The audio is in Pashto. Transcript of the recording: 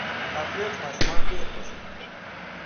چاکلېټ ماشومان ډېر خوښوي.